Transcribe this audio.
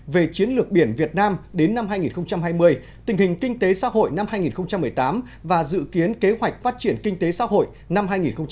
về chiến lược biển việt nam đến năm hai nghìn hai mươi tình hình kinh tế xã hội năm hai nghìn một mươi tám và dự kiến kế hoạch phát triển kinh tế xã hội năm hai nghìn hai mươi